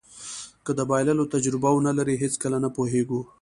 که د بایللو تجربه ونلرئ هېڅکله نه پوهېږو.